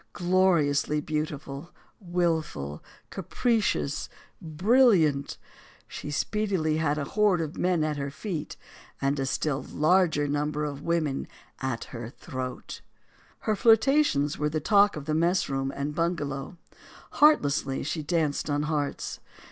Gloriously beautiful, willful, capricious, brilliant, LOLA MONTEZ 7 she speedily had a horde of men at her feet and a still larger number of women at her throat. Her flirtations were the talk of mess room and bung alow. Heartlessly, she danced on hearts.